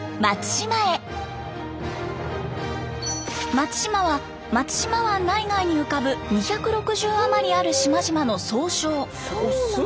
松島は松島湾内外に浮かぶ２６０余りある島々の総称。